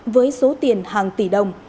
với số tiền hàng tỷ đồng